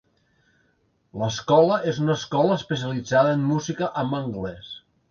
L'escola és una escola especialitzada en música amb anglès.